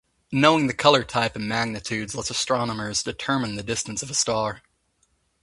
Knowing the color type and magnitudes lets astronomers determine the distance of a star.